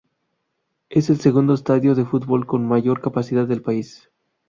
Es el segundo estadio de fútbol con mayor capacidad del país.